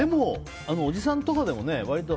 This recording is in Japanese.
おじさんとかでも、割と。